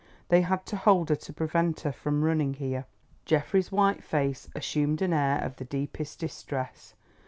They had to hold her to prevent her from running here." Geoffrey's white face assumed an air of the deepest distress.